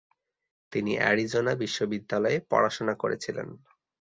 তিনি অ্যারিজোনা বিশ্ববিদ্যালয়ে পড়াশোনা করেছিলেন।